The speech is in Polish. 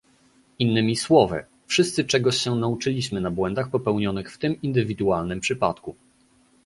Innymi słowy, wszyscy czegoś się nauczyliśmy na błędach popełnionych w tym indywidualnym przypadku